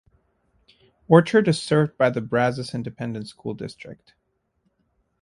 Orchard is served by the Brazos Independent School District.